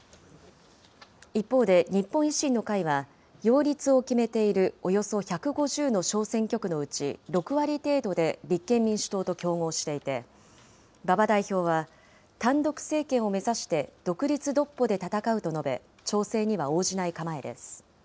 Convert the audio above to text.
一方で日本維新の会は、擁立を決めているおよそ１５０の小選挙区のうち６割程度で立憲民主党と競合していて、馬場代表は、単独政権を目指して独立独歩で戦うと述べ、調整には応じない構えです。